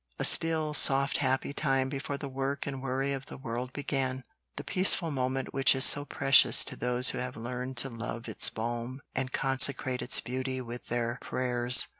A still, soft, happy time before the work and worry of the world began, the peaceful moment which is so precious to those who have learned to love its balm and consecrate its beauty with their prayers.